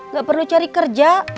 gak perlu cari kerja